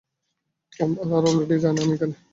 তারা অলরেডি জানে আমি এখানে।